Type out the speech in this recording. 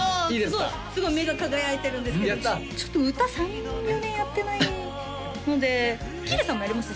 すごい目が輝いてるんですけどちょっと歌３４年やってないので喜入さんもやります？